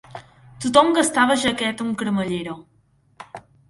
Tothom gastava jaqueta amb cremallera